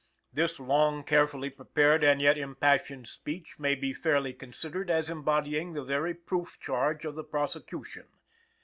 This long, carefully prepared and yet impassioned speech may be fairly considered as embodying the very proof charge of the prosecution.